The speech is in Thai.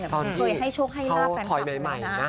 เคยให้โชคให้ราบแฟนคลับนะ